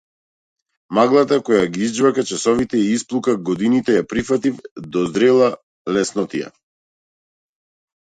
Маглата која ги изџвака часовите и исплука годините ја прифатив до зрела леснотија.